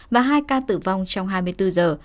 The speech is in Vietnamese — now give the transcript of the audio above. và hai ca tử vong trong hai mươi bốn giờ